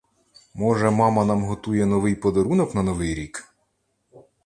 Може, мама нам готує новий подарунок на новий рік?